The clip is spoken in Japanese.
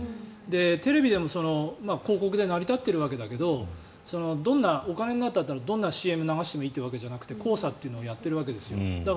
テレビでも広告で成り立っているわけだけどお金になるんだったらどんなＣＭを流してもいいわけじゃなくて考査というのをやっているわけですよ。